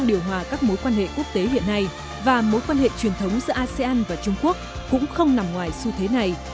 điều hòa các mối quan hệ quốc tế hiện nay và mối quan hệ truyền thống giữa asean và trung quốc cũng không nằm ngoài xu thế này